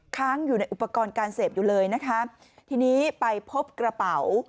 ค้างอยู่ในอุปกรณ์การเสพอยู่เลยนะคะทีนี้ไปพบกระเป๋า